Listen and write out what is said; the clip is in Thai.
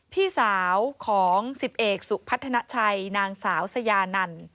พี่สาวของ๑๐เอกสุพัฒนาชัยนางสาวสยานัน